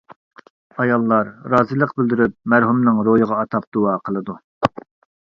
ئاياللار رازىلىق بىلدۈرۈپ، مەرھۇمنىڭ روھىغا ئاتاپ دۇئا قىلىدۇ.